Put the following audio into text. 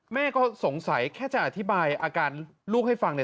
แม่ก็สงสัยแค่จะอธิบายอาการลูกให้ฟังเนี่ย